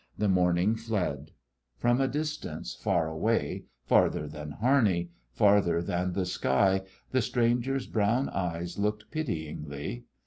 The morning fled. From a distance, far away, farther than Harney, farther than the sky, the stranger's brown eyes looked pityingly.